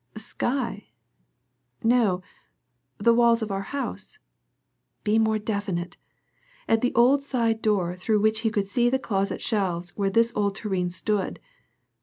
"Sky no, the walls of our house." "Be more definite; at the old side door through which he could see the closet shelves where this old tureen stood.